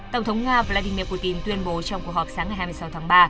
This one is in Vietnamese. tổng thống nga vladimir putin tuyên bố trong cuộc họp sáng ngày hai mươi sáu tháng ba